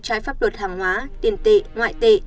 trái pháp luật hàng hóa tiền tệ ngoại tệ